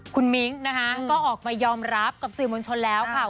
คุณมิ้งนะคะก็ออกมายอมรับกับสื่อมวลชนแล้วค่ะ